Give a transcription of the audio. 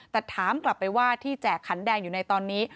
แต่ถามกลับไปว่าที่แจกขันแดงอยู่ในตอนนี้